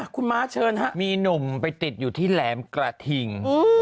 คุณม้าเชิญครับมีหนุ่มไปติดอยู่ที่แหลมกระทิง